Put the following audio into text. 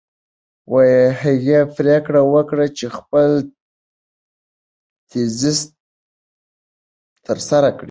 هغې پرېکړه وکړه چې خپل تیزیس ترسره کړي.